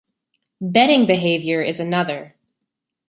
Betting behavior is another.